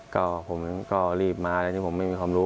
ก็ผมก็รีบมาแล้วผมไม่มีความรู้